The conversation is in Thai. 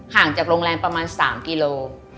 ห่างจากโรงแรมประมาณ๓กิโล